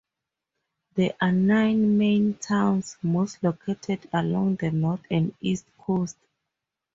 There are nine main towns, most located along the north and east coasts.